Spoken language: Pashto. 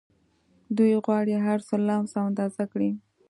دوی غواړي هرڅه لمس او اندازه کړي